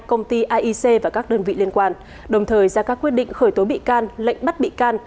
công ty aic và các đơn vị liên quan đồng thời ra các quyết định khởi tố bị can lệnh bắt bị can